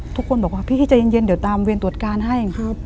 ทุกคนบอกว่าพี่ใจเย็นเดี๋ยวตามเวรตรวจการให้